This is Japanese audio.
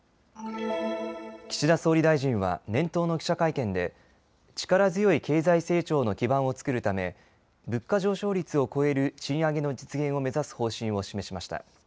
岸田総理大臣は年頭の記者会見で力強い経済成長の基盤を作るため物価上昇率を超える賃上げの実現を目指す方針を示しました。